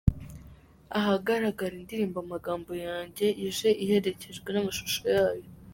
ahagaragara indirimbo amagambo yanjye ije iherekejwe namashusho yayo.